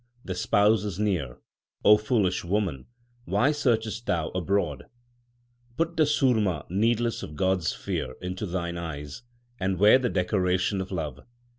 The Spouse is near ; O foolish woman, why searchest thou abroad ? Put the surma 5 needles of God s fear into thine eyes, and wear the decoration of love.